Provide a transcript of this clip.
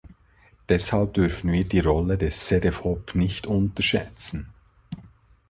Deshalb dürfen wir die Rolle des Cedefop nicht unterschätzen.